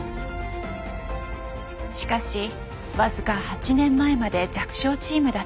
しかし僅か８年前まで弱小チームだった日本。